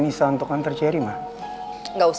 diorang juga mau pergi memakai handheld wells